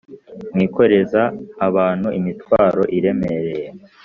mwikoreza abantu imitwaro iremereye